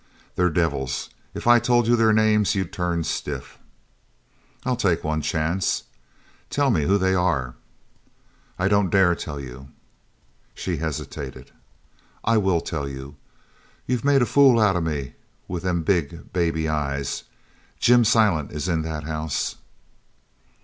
"They're devils. If I told you their names you'd turn stiff." "I'll take one chance. Tell me who they are." "I don't dare tell you." She hesitated. "I will tell you! You've made a fool out of me with them big baby eyes. Jim Silent is in that house!"